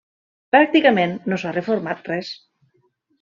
Pràcticament no s’ha reformat res.